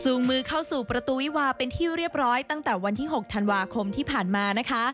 มือเข้าสู่ประตูวิวาเป็นที่เรียบร้อยตั้งแต่วันที่๖ธันวาคมที่ผ่านมานะคะ